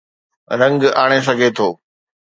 رنگ آڻي سگهي ٿو.